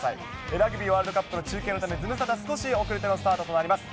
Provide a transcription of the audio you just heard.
ラグビーワールドカップの中継のため、ズムサタ、少し遅れてのスタートとなります。